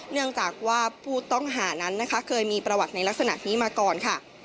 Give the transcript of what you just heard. เนื่องจากว่าผู้ต้องหานั้นนะคะเคยมีประวัติในลักษณะนี้มาก่อนค่ะ